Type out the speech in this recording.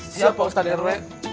siap pak ustad rw